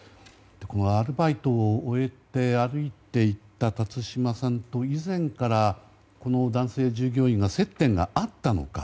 アルバイトを終えて歩いていた辰島さんと以前から、この男性従業員が接点があったのか。